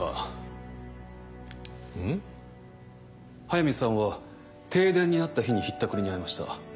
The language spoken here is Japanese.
速水さんは停電になった日にひったくりに遭いました。